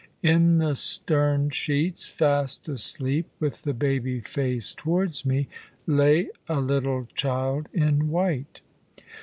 In the stern sheets, fast asleep, with the baby face towards me, lay a little child in white.